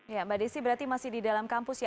ya mbak desi berarti masih di dalam kampus ya